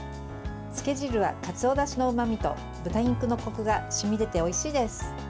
つけ汁は、かつおだしのうまみと豚肉のこくが染み出ておいしいです。